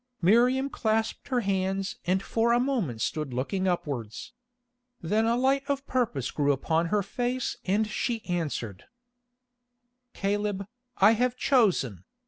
Miriam clasped her hands and for a moment stood looking upwards. Then a light of purpose grew upon her face and she answered: "Caleb, I have chosen.